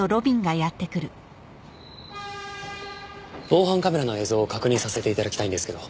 防犯カメラの映像を確認させて頂きたいんですけど。